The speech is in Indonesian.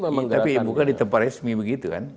memang tapi bukan di tempat resmi begitu kan